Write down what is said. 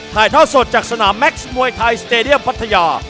ถ่ายทอดสดจากสนามแม็กซ์มวยไทยสเตดียมพัทยา